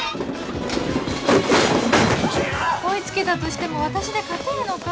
追い付けたとしても私で勝てるのか？